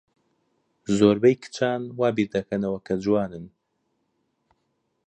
زۆربەی کچان وا بیردەکەنەوە کە جوانن.